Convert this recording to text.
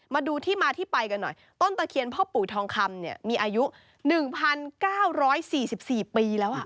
มาดูที่มาที่ไปกันหน่อยต้นตะเคียนพ่อปู่ทองคำเนี่ยมีอายุ๑๙๔๔ปีแล้ว